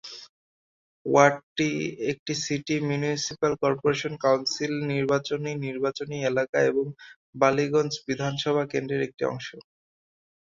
ওয়ার্ডটি একটি city municipal corporation council নির্বাচনী নির্বাচনী এলাকা এবং বালিগঞ্জ বিধানসভা কেন্দ্রর একটি অংশ।